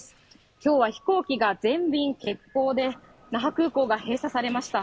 今日は飛行機が全便欠航で、那覇空港が閉鎖されました。